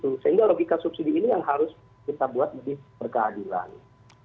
sehingga logika subsidi ini yang harus kita buat diperkeadilan